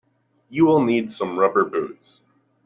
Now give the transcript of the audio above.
You will need some rubber boots.